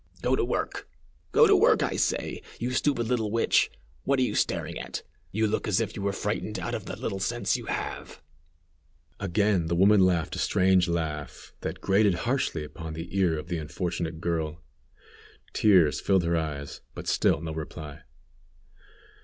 "Go to work! go to work! I say, you stupid little witch, what are you staring at? You look as if you were frightened out of the little sense you have." Again the woman laughed a strange laugh, that grated harshly upon the ear of the unfortunate girl. Tears filled her eyes, but still no reply.